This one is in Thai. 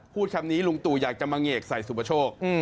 พูดคำนี้ลุงตู่อยากจะมาเงกใส่สุปโชค